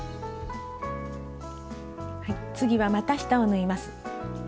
次はまた下を縫います。